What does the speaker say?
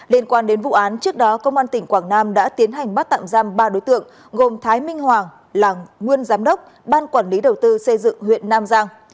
liên quan đến vụ án trước đó công an tỉnh quảng nam đã tiến hành bắt tạm giam ba đối tượng gồm thái minh hoàng là nguyên giám đốc ban quản lý đầu tư xây dựng huyện nam giang